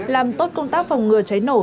làm tốt công tác phòng ngừa cháy nổ